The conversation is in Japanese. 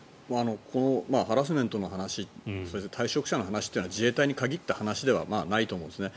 このハラスメントの話それから退職者の話は自衛隊に限った話ではないと思うんですね。